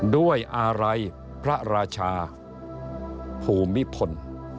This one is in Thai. ด้วยอะไรพระราชาภูมิพล